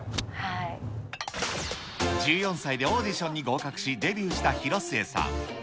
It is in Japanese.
１４歳でオーディションに合格し、デビューした広末さん。